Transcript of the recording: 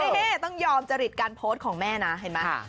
เฮต้องยอมจะฤดการโพสของแม่นะฟา